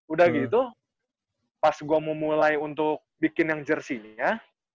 udah gitu pas gua mau mulai untuk bikin yang jersey nya